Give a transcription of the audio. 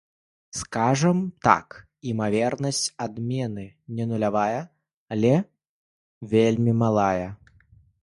Скажам так, імавернасць адмены не нулявая, але вельмі малая.